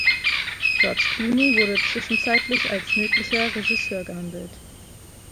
George Clooney wurde zwischenzeitlich als möglicher Regisseur gehandelt.